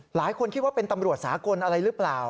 หลายคนคิดว่าเป็นตำรวจสากลอะไรหรือเปล่า